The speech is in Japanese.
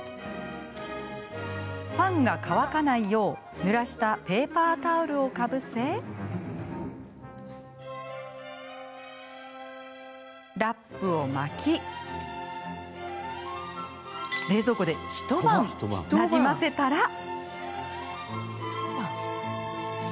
パンが乾かないよう、ぬらしたペーパータオルをかぶせラップを巻き冷蔵庫で一晩なじませたら。